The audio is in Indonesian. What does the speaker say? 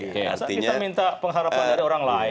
kita minta pengharapan dari orang lain